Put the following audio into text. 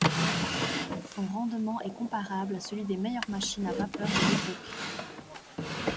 Son rendement est comparable à celui des meilleures machines à vapeur de l'époque.